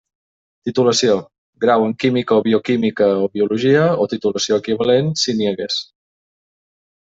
Titulació: grau en Química, o Bioquímica o Biologia, o titulació equivalent si n'hi hagués.